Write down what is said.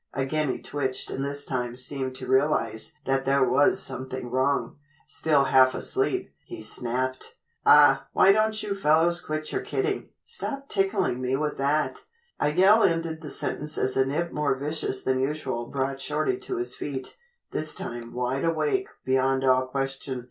Again he twitched and this time seemed to realize that there was something wrong. Still half asleep, he snapped: "Aw, why don't you fellows quit your kidding? Stop tickling me with that " A yell ended the sentence as a nip more vicious than usual brought Shorty to his feet, this time wide awake beyond all question.